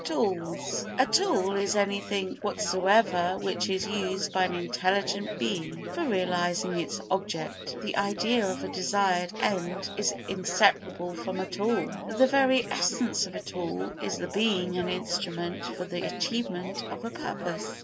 Tools A tool is anything whatsoever which is used by an intelligent being for realising its object. The idea of a desired end is inseparable from a tool. The very essence of a tool is the being an instrument for the achievement of a purpose.